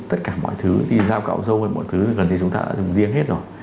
tất cả mọi thứ thì dao cạo dâu hay mọi thứ gần đây chúng ta đã dùng riêng hết rồi